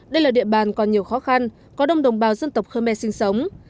đây là địa bàn còn nhiều khó khăn có đông đồng bào dân tộc khơ me sinh sống